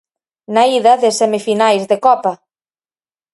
Na ida de semifinais de Copa.